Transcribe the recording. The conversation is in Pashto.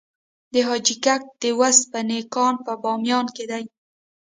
د حاجي ګک د وسپنې کان په بامیان کې دی